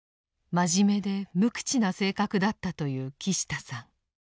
真面目で無口な性格だったという木下さん。